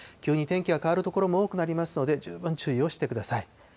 急に天気が変わる所も多くなりますので、十分注意をしてください。